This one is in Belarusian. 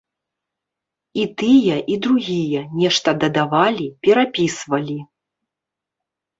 І тыя, і другія, нешта дадавалі, перапісвалі.